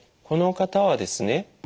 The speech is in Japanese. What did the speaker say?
この方はですね